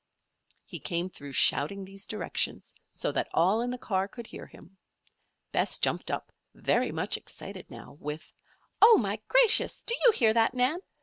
He came through shouting these directions so that all in the car could hear him. Bess jumped up, very much excited now, with: "Oh, my gracious! Do you hear that, Nan?